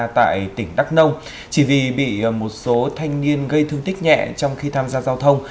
tại tỉnh đắk nông chỉ vì bị một số thanh niên gây thương tích nhẹ trong khi tham gia giao thông